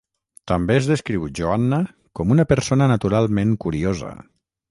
També es descriu Joanna com una persona naturalment curiosa.